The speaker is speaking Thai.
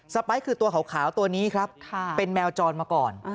ไปคือตัวขาวตัวนี้ครับเป็นแมวจรมาก่อน